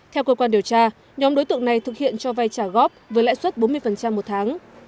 theo cơ quan điều tra nhóm đối tượng này thực hiện cho vay trả góp với lãi suất bốn mươi một tháng